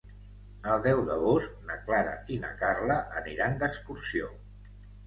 El deu d'agost na Clara i na Carla aniran d'excursió.